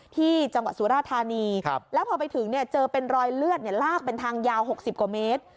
ที่จังหวัดสุราธานีแล้วพอไปถึงเนี่ยเจอเป็นรอยเลือดลากเป็นทางยาว๖๐กว่าเมตร